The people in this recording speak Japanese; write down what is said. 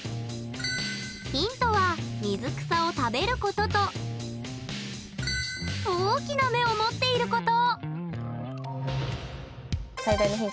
ヒントは水草を食べることと大きな目を持っていること！